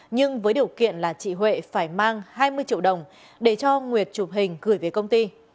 nhưng với điều kiện là chị huệ phải mang hai mươi triệu đồng để cho nguyệt chụp hình gửi về công ty